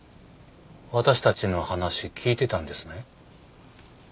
私たちの話聞いてたんですね。